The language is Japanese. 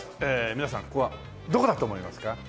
皆さんここはどこだと思いますか？